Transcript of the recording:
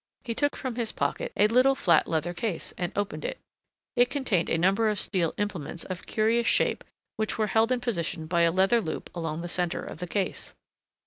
He took from his pocket a little flat leather case and opened it. It contained a number of steel implements of curious shape which were held in position by a leather loop along the centre of the case.